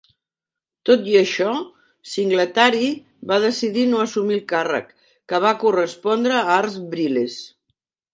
Tot i això, Singletary va decidir no assumir el càrrec, que va correspondre a Art Briles.